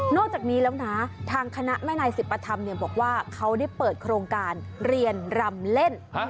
จากนี้แล้วนะทางคณะแม่นายสิบประธรรมบอกว่าเขาได้เปิดโครงการเรียนรำเล่น